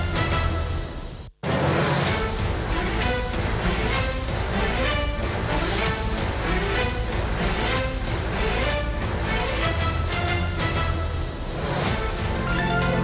โปรดติดตามตอนต่อไป